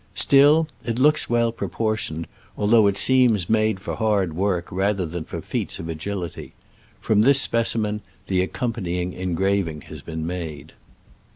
Still, it looks well propor tioned, although it seems made for hard work rather than for feats of agility. From this specimen the accompanying engraving has been made.